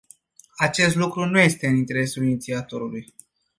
Acest lucru nu este în interesul inițiatorului.